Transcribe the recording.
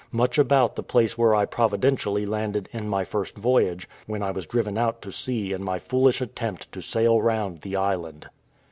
much about the place where I providentially landed in my first voyage, when I was driven out to sea in my foolish attempt to sail round the island.